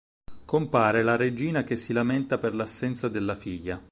Compare la Regina che si lamenta per l'assenza della figlia.